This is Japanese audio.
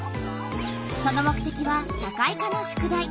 その目てきは社会科の宿題。